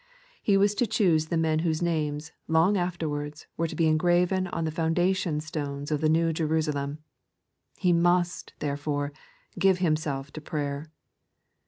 He was to choose the men whose names, long afterwards, were to be engraven on the foundation stones of the New Jeru salem. He must, therefore, give Himself to prayer.